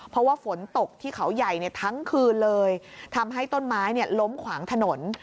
เพราะว่าฝนตกที่เขาใหญ่ทั้งคืนเลยทำให้ต้นไม้ล้มขวางถนน